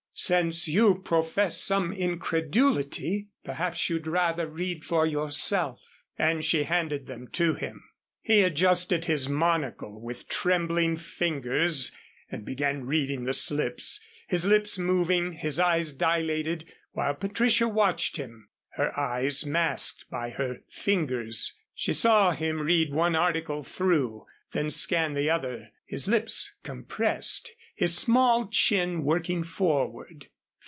Since you profess some incredulity, perhaps you'd rather read for yourself." And she handed them to him. He adjusted his monocle with trembling fingers, and began reading the slips, his lips moving, his eyes dilated, while Patricia watched him, her eyes masked by her fingers. She saw him read one article through, then scan the other, his lips compressed, his small chin working forward.